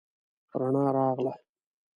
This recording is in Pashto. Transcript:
رڼا راغله